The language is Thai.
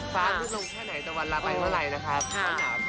ฟ้ามืดลงแค่ไหนจะวันละไปเมื่อไหร่นะครับ